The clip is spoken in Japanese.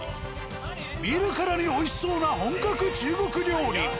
見るからに美味しそうな本格中国料理。